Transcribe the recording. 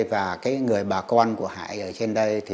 và người bà con của hải ở trên đây